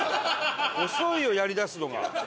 遅いよやりだすのが。